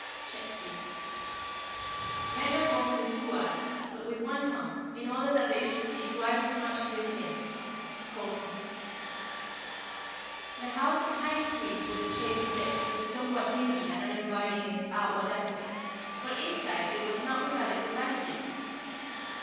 SHAKESPEARE. "Men are born with two eyes, but with one tongue, in order that they should see twice as much as they say." COLTON. The house in High Street where the Chaytors lived was somewhat dingy and uninviting in its outward aspect, but inside it was not without its advantages.